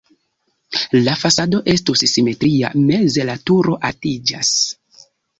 La fasado estus simetria, meze la turo altiĝas.